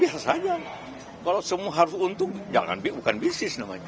biasa saja kalau semua harus untung jangan bisnis namanya